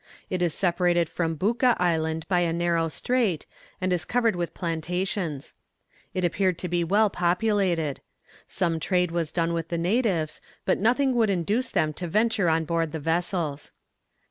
It is separated from Bouka Island by a narrow strait, and is covered with plantations. It appeared to be well populated. Some trade was done with the natives, but nothing would induce them to venture on board the vessels.